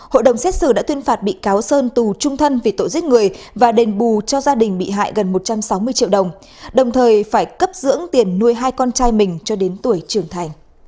hãy đăng ký kênh để ủng hộ kênh của chúng mình nhé